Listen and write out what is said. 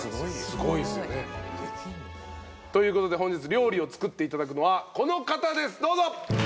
すごいっすよね。ということで本日料理を作っていただくのはこの方ですどうぞ。